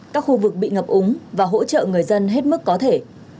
các khu vực bị ngập úng và hỗ trợ người dân hết mức có thể